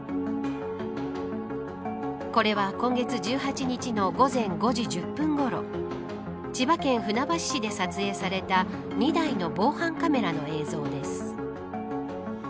これは、今月１８日の午前５時１０分ごろ千葉県船橋市で撮影された２台の防犯カメラの映像です。